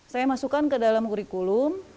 saya masukkan ke dalam kurikulum